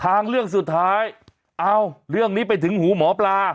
ทางเรื่องสุดท้ายเอาเรื่องนี้ไปถึงหูหมอปลา